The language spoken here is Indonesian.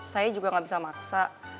saya juga gak bisa maksa